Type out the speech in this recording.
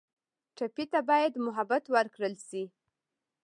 ټپي ته باید محبت ورکړل شي.